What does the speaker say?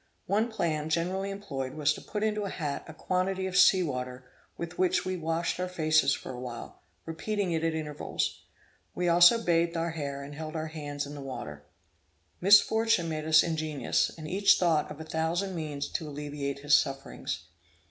One plan generally employed was to put into a hat a quantity of sea water with which we washed our faces for a while, repeating it at intervals. We also bathed our hair and held our hands in the water. Misfortune made us ingenious, and each thought of a thousand means to alleviate his sufferings.